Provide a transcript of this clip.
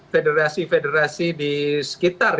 federasi federasi di sekitar